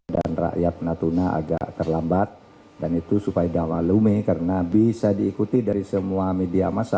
dan rakyat natuna agak terlambat dan itu supaya dalam lumi karena bisa diikuti dari semua media masa